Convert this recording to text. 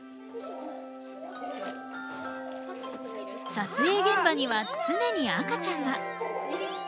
撮影現場には常に赤ちゃんが。